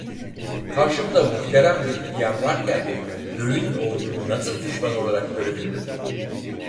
Karşımda muhterem bir ihtiyar varken Göğün oğlu'nu nasıl düşman olarak görebilirim?